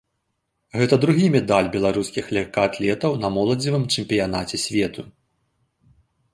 Гэта другі медаль беларускіх лёгкаатлетаў на моладзевым чэмпіянаце свету.